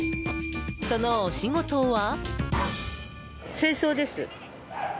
そのお仕事は？